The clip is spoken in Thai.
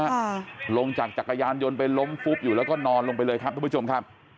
ค่ะลงจากจักรยานยนต์ไปล้มฟุบอยู่แล้วก็นอนลงไปเลยครับทุกผู้ชมครับ